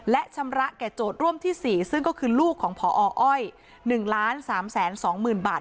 และชำระแก่โจทย์ร่วมที่๔ซึ่งก็คือลูกของพออ้อย๑๓๒๐๐๐บาท